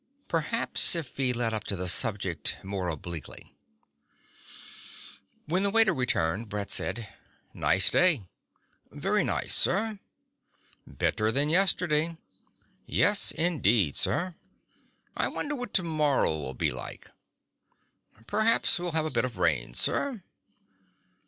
Perhaps if he led up to the subject more obliquely ...When the waiter returned Brett said, "Nice day." "Very nice, sir." "Better than yesterday." "Yes indeed, sir." "I wonder what tomorrow'll be like." "Perhaps we'll have a bit of rain, sir."